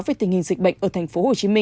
về tình hình dịch bệnh ở tp hcm